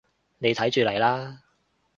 你睇住嚟啦